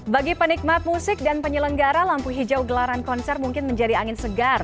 bagi penikmat musik dan penyelenggara lampu hijau gelaran konser mungkin menjadi angin segar